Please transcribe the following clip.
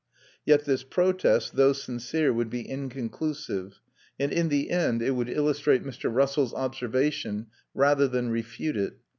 Yet this protest, though sincere, would be inconclusive, and in the end it would illustrate Mr. Russell's observation, rather than refute it.